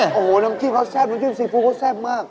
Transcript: โอ้โหน้ำจิ้มเขาแซ่บน้ำจิ้มซีฟู้เขาแซ่บมาก